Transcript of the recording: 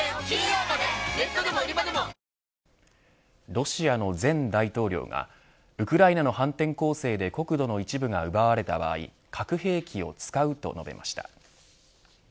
ロシアの前大統領がウクライナの反転攻勢で国土の一部が奪われた場合核兵器を使うと述べました。